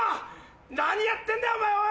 何やってんだお前おい！